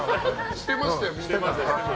してましたよ。